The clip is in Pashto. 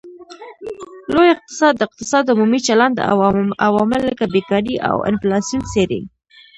لوی اقتصاد د اقتصاد عمومي چلند او عوامل لکه بیکاري او انفلاسیون څیړي